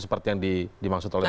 seperti yang dimaksud oleh pak reza